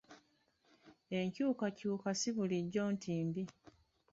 Enkyukakyuka si bulijjo nti mbi.